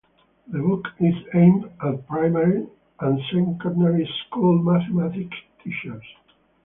The book is aimed at primary and secondary school mathematics teachers.